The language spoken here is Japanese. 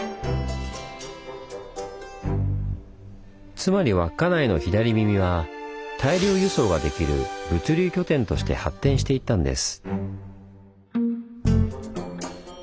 つまり稚内の「左耳」は大量輸送ができる物流拠点として発展していったんです。